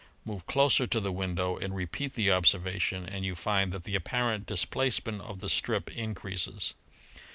"Move closer to the window and repeat the observation, and you find that the apparent displacement of the strip increases.